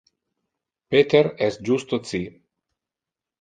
Peter es justo ci.